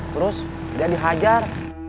terus dia dihajar